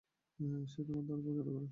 সে তোমায় দারুণ পছন্দ করে!